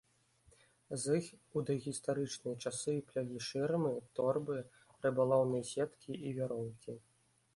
З іх у дагістарычныя часы плялі шырмы, торбы, рыбалоўныя сеткі і вяроўкі.